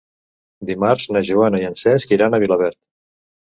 Dimarts na Joana i en Cesc iran a Vilaverd.